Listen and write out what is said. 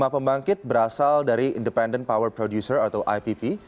lima pembangkit berasal dari independent power producer atau ipp